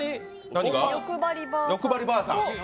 欲張りばあさん。